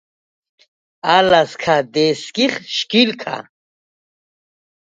ალას ქა დე̄სგიხ შგილქა.